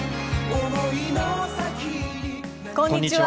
こんにちは。